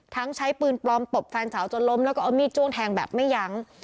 ใช้ปืนปลอมตบแฟนสาวจนล้มแล้วก็เอามีดจ้วงแทงแบบไม่ยั้ง